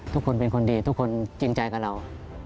ทุกคนเป็นคนดีทุกคนจริงใจกับเรา